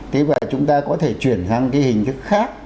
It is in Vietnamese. thế và chúng ta có thể chuyển sang cái hình thức khác